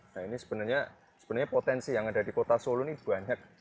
nah ini sebenarnya potensi yang ada di kota solo ini banyak